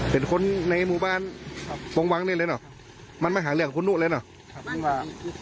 เป็นคนในหมู่บ้านวังวังนี่เลยเหรอมันมาหาเรื่องกับคุณนุเลยเหรอ